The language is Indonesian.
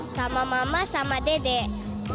sama mama sama dedek